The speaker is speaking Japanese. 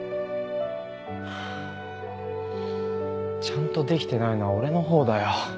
ちゃんとできてないのは俺の方だよ。